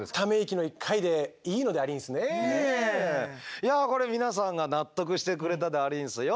いやこれ皆さんが納得してくれたでありんすよ